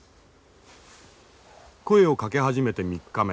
声をかけ始めて３日目。